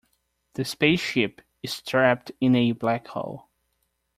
The spaceship is trapped in a black hole.